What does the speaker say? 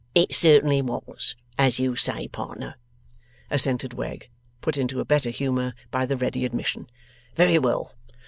'It certainly was, as you say, partner,' assented Wegg, put into a better humour by the ready admission. 'Very well.